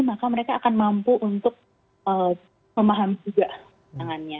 maka mereka akan mampu untuk memahami juga pasangannya